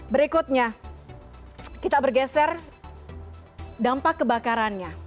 berikutnya kita bergeser dampak kebakarannya